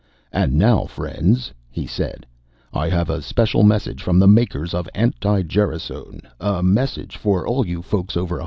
"And now, friends," he said, "I have a special message from the makers of anti gerasone, a message for all you folks over 150.